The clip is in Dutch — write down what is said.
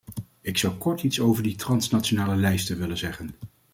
Ik zou kort iets over die transnationale lijsten willen zeggen.